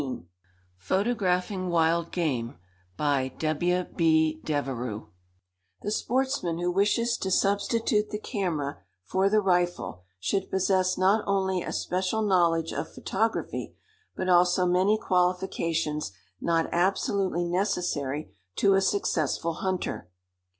_ Photographing Wild Game The sportsman who wishes to substitute the camera for the rifle should possess not only a special knowledge of photography, but also many qualifications not absolutely necessary to a successful hunter.